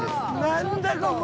何だここ！